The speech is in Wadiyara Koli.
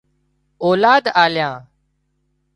اولاد آليان